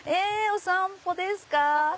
お散歩です。